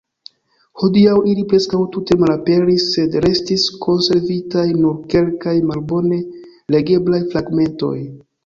Hodiaŭ ili preskaŭ tute malaperis, sed restis konservitaj nur kelkaj malbone legeblaj fragmentoj.